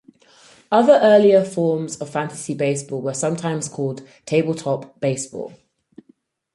Other early forms of fantasy baseball were sometimes called "tabletop baseball".